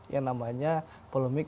yang namanya polemik